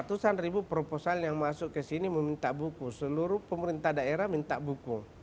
rohusianya seluruh proposal yang masuk kesini meminta buku seluruh pemerintah daerah minta buku